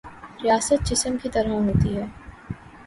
ریاست جسم کی طرح ہوتی ہے۔